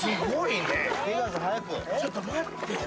ちょっと待ってよ。